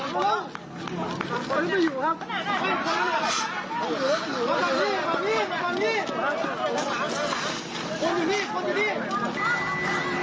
ตอนนี้ตอนนี้ตอนนี้ตอนนี้คนอยู่นี่คนอยู่นี่